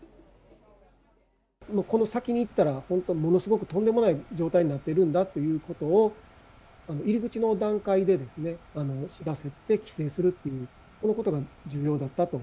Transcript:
この先に行ったら、本当、ものすごくとんでもない状態になってるんだということを、入り口の段階でですね、知らせて規制するという、このことが重要だったと。